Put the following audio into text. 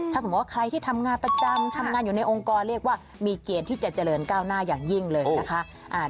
ถ้าสมมุติว่าใครที่ทำงานประจำทำงานอยู่ในองค์กรเรียกว่ามีเกณฑ์ที่จะเจริญก้าวหน้าอย่างยิ่งเลยนะคะ